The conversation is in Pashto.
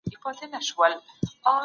بې توازن ذهن شک پیدا کوي.